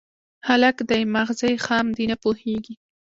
_هلک دی، ماغزه يې خام دي، نه پوهېږي.